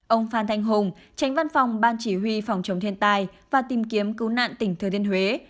ông phan thanh hùng tránh văn phòng ban chỉ huy phòng chống thiên tai và tìm kiếm cứu nạn tỉnh thừa thiên huế